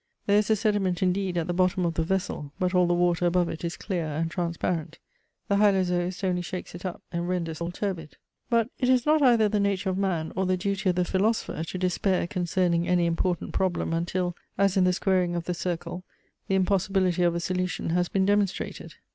There is a sediment indeed at the bottom of the vessel, but all the water above it is clear and transparent. The Hylozoist only shakes it up, and renders the whole turbid. But it is not either the nature of man, or the duty of the philosopher to despair concerning any important problem until, as in the squaring of the circle, the impossibility of a solution has been demonstrated.